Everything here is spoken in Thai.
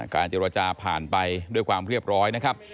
เจรจาผ่านไปด้วยความเรียบร้อยนะครับ